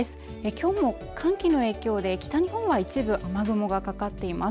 きょうも寒気の影響で北日本は一部雨雲がかかっています